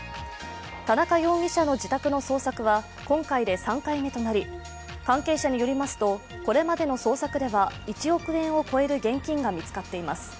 田中容疑者の自宅の捜索は今回で３回目となり、関係者によりますと、これまでの捜索では１億円を超える現金が見つかっています。